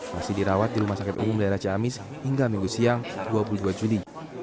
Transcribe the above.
masih dirawat di rumah sakit umum daerah ciamis hingga minggu siang dua puluh dua juni